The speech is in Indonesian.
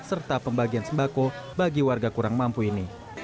serta pembagian sembako bagi warga kurang mampu ini